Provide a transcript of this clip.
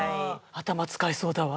頭使いそうだわ。